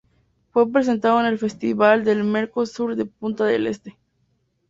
Fue presentado en el Festival del Mercosur de Punta del Este.